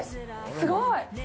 すごい。